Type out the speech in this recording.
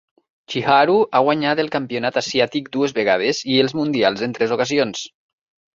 Chiharu ha guanyat el campionat asiàtic dues vegades i els mundials en tres ocasions.